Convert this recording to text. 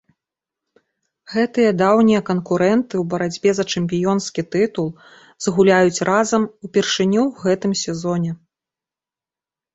Гэтыя даўнія канкурэнты ў барацьбе за чэмпіёнскі тытул згуляюць разам упершыню ў гэтым сезоне.